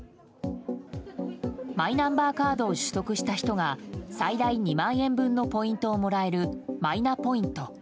マイナンバーカードを取得した人が最大２万円分のポイントをもらえるマイナポイント。